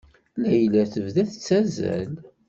Layla tebda tettazzal.